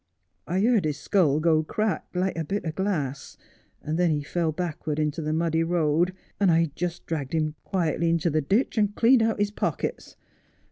I heard his skull go crack, like a bit o' glass, and then he fell backwards into the muddy road, and I just dragged him quietly into the ditch and cleaned out his pockets.